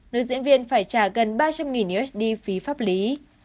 nữ diễn viên phải trả gần ba trăm linh usd phí pháp lý